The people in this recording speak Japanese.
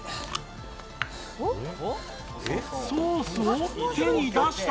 ソースを手に出した。